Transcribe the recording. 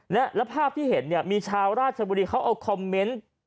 และภาพที่เห็นเนี่ยมีชาวราชบุรีเขาเอาคอมเมนต์